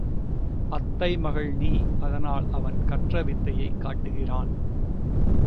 அத்தை மகள் நீ அதனால் அவன் கற்றவித்தையைக் காட்டுகிறான்.